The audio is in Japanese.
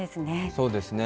そうですね。